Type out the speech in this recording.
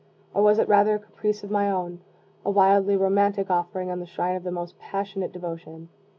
or was it rather a caprice of my own a wildly romantic offering on the shrine of the most passionate devotion?